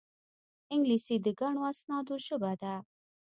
انګلیسي د ګڼو اسنادو ژبه ده